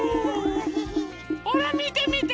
ほらみてみて！